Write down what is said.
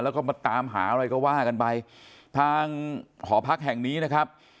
แล้วก็มาตามหาอะไรก็ว่ากันไปทางหอพักแห่งนี้นะครับ